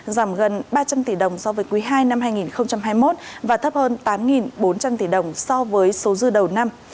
giảm gần ba trăm linh tỷ đồng so với quý ii năm hai nghìn hai mươi một và thấp hơn tám bốn trăm linh tỷ đồng so với số dư đầu năm